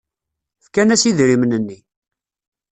Fkan-as idrimen-nni.